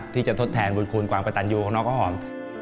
ที่จะทดแทนบุญคุณความกระตันยูของน้องข้าวหอม